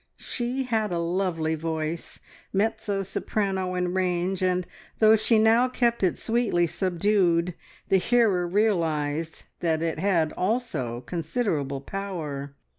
She had a lovely voice, mezzo soprano in range, and though she now kept it sweetly subdued, the hearer realised that it had also considerable power.